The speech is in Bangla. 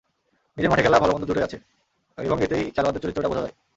নিজের মাঠে খেলা ভালো-মন্দ দুটোই আছে এবং এতেই খেলোয়াড়দের চরিত্রটা বোঝা যায়।